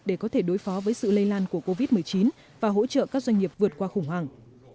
để có thể đối phó với sự lây lan của covid một mươi chín và hỗ trợ các doanh nghiệp vượt qua khủng hoảng